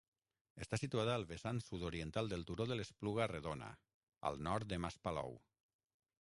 Està situada al vessant sud-oriental del Turó de l'Espluga Redona, al nord de Mas Palou.